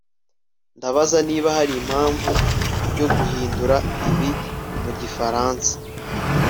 Ndabaza niba hari impamvu yo guhindura ibi mu gifaransa